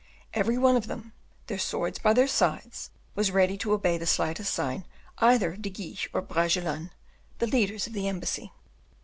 Every one of them, their swords by their sides, was ready to obey the slightest sign either of De Guiche or Bragelonne, the leaders of the embassy.